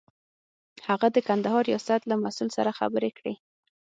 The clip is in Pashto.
هغه د کندهار ریاست له مسئول سره خبرې کړې.